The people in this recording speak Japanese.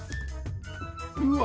うわ！